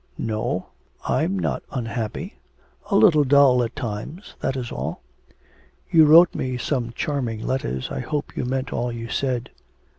'No, I'm not unhappy a little dull at times, that is all.' 'You wrote me some charming letters. I hope you meant all you said.'